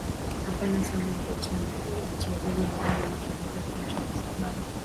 hapana samuel etoo ni mchezaji ambaye ni mtulivu tunaita kwa sababu